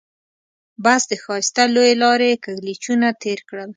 بس د ښایسته لويې لارې کږلېچونه تېر کړل.